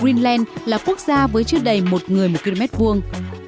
greenland là quốc gia với chứa đầy một người một km vuông